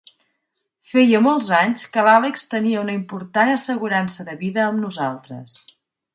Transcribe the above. Feia molts anys que l'Àlex tenia una important assegurança de vida amb nosaltres.